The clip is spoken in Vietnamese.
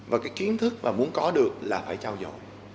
và cái kiến thức mà muốn có được là phải trao dội